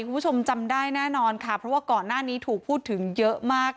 คุณผู้ชมจำได้แน่นอนค่ะเพราะว่าก่อนหน้านี้ถูกพูดถึงเยอะมาก